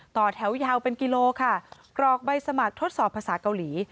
ต่อแถวยาวเป็นกิโลค่ะกรอกใบสมัครทดสอบภาษาเกาหลี